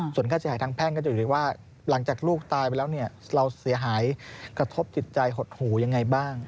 ส่วนค่าเสียหายทางแพ่งก็จะอยู่ที่ว่าหลังจากลูกตายไปแล้วเนี่ยเราเสียหายกระทบจิตใจหดหูยังไงบ้าง